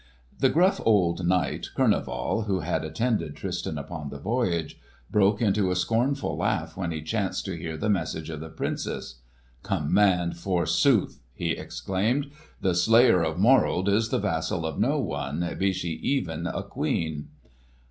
The gruff old knight, Kurneval, who had attended Tristan upon the voyage, broke into a scornful laugh when he chanced to hear the message of the Princess. "'Command' forsooth!" he exclaimed. "The slayer of Morold is the vassal of no one, be she even a queen!"